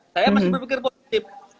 saya masih berpikir positif